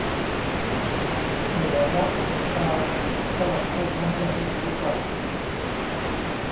ไม่ไหวละ ปวดตา สลับไปทำอย่างอื่นดีกว่า